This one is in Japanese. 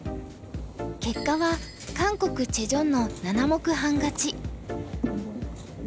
結果は韓国チェ・ジョンの７目半勝ち。